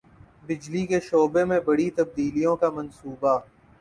بجلی کے شعبے میں بڑی تبدیلوں کا منصوبہ